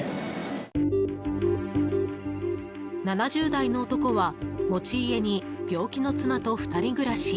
７０代の男は持ち家に病気の妻と２人暮らし。